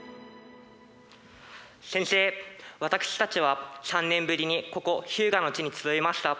宣誓私たちは３年ぶりにここ日向の地に集いました。